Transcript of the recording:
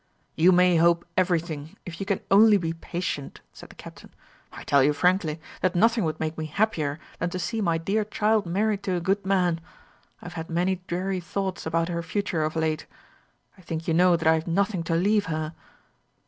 "You may hope everything, if you can only be patient," said the Captain. "I tell you frankly, that nothing would make me happier than to see my dear child married to a good man. I have had many dreary thoughts about her future of late. I think you know that I have nothing to leave her."